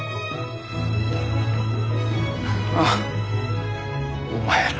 ああお前ら。